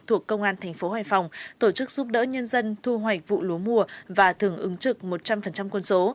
thuộc công an tp hải phòng tổ chức giúp đỡ nhân dân thu hoạch vụ lúa mùa và thường ứng trực một trăm linh quân số